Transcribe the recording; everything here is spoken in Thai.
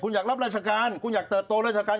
คุณอยากรับราชการคุณอยากเติบโตราชการ